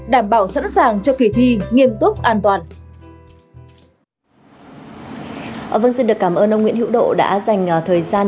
đảm bảo sẵn sàng cho kỳ thi nghiêm túc an toàn